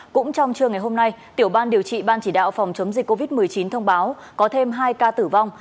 cũng trong trưa ngày hôm nay tiểu ban điều trị ban chỉ đạo phòng chống dịch covid một mươi chín thông báo có thêm hai ca tử vong